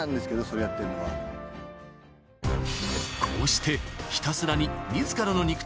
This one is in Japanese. ［こうしてひたすらに］